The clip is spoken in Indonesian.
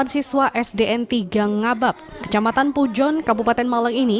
dua puluh siswa sdn tiga ngabab kecamatan pujon kabupaten malang ini